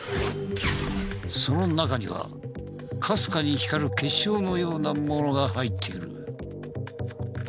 その中にはかすかに光る結晶のようなものが入っている。